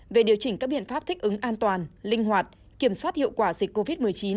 về điều chỉnh các biện pháp thích ứng an toàn linh hoạt kiểm soát hiệu quả dịch covid một mươi chín